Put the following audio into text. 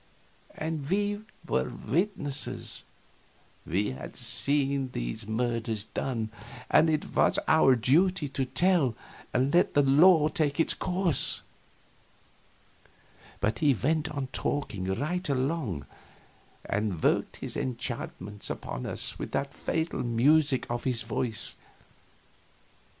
And we were witnesses; we had seen these murders done and it was our duty to tell, and let the law take its course. But he went on talking right along, and worked his enchantments upon us again with that fatal music of his voice.